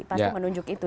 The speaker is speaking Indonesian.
pasti menunjuk itu